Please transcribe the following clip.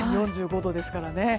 ４５度ですから。